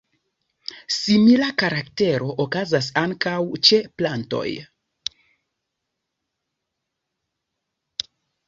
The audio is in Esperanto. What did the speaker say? Simila karaktero okazas ankaŭ ĉe plantoj.